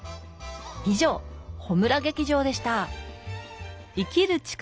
以上ホムラ劇場でした！